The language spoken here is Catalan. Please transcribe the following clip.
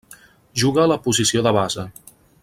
Juga la posició de base.